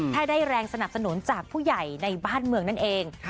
ถ้าได้แรงสนับสนุนจากผู้ใหญ่ในบ้านเมืองนั่นเอง